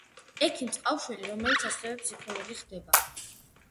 ექიმს ჰყავს შვილი, რომელიც ასევე ფსიქოლოგი ხდება.